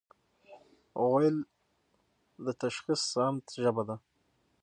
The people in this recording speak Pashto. غول د تشخیص صامت ژبه ده.